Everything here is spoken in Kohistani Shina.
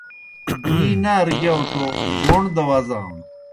گی نارہ گِیاؤ توْ بوݨ دہ وزانوْ